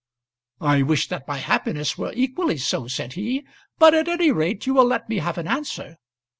"I wish that my happiness were equally so," said he. "But at any rate you will let me have an answer.